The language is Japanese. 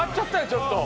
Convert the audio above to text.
ちょっと！